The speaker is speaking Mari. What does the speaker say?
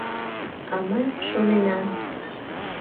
— А мый шоненам...